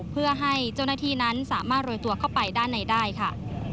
เพื่อให้เจ้าหน้าที่นั้นสามารถโรยตัวเข้าไปด้านในได้ค่ะ